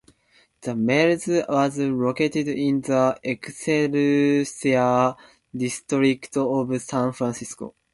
The Mel's was located in the Excelsior district of San Francisco.